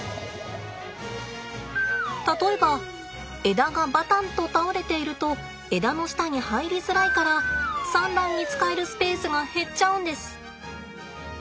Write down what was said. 例えば枝がバタンと倒れていると枝の下に入りづらいから産卵に使えるスペースが減っちゃうんです。